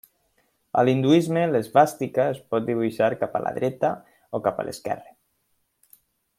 A l'hinduisme l'esvàstica es pot dibuixar cap a la dreta o cap a l'esquerra.